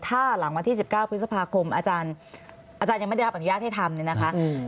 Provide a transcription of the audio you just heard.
ถ้าหลังวันที่๑๙พฤษภาคมอาจารย์ยังไม่ได้รับอนุญาตให้ทำเนี่ยนะคะ